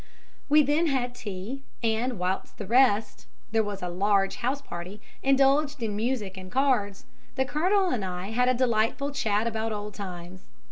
We then had tea, and whilst the rest there was a large house party indulged in music and cards, the Colonel and I had a delightful chat about old times.